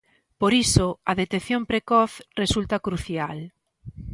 Por iso, a detección precoz resulta crucial.